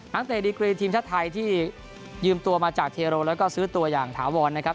เตะดีกรีทีมชาติไทยที่ยืมตัวมาจากเทโรแล้วก็ซื้อตัวอย่างถาวรนะครับ